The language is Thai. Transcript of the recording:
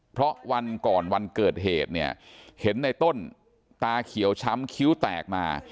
เพราะวันก่อนวันเกิดเหตุเนี่ยเห็นในต้นตาเขียวช้ำคิ้วแตกมา